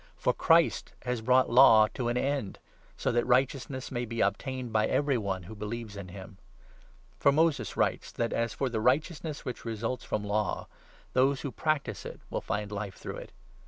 For Christ has brought Law to an end, so that righteousness 4 may be obtained by every one who believes in him. For 5 Moses writes that, as for the righteousness which results from Law, 'those who practise it will find Life through it.'